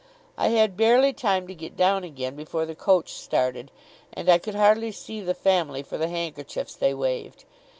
I had barely time to get down again before the coach started, and I could hardly see the family for the handkerchiefs they waved.